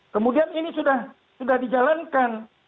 kemudian ini sudah dijalankan